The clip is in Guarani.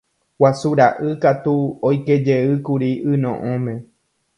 Guasu ra'y katu oikejeýkuri yno'õme.